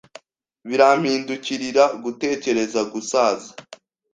birampindukirira gutekereza gusaza